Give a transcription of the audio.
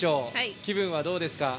気分はどうですか。